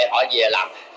họ về làm chất đốt